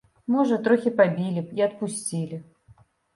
Можа, трохі пабілі б і адпусцілі.